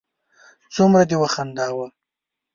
څومره دې و خنداوه